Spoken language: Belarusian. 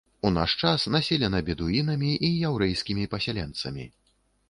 У наш час населена бедуінамі і яўрэйскімі пасяленцамі.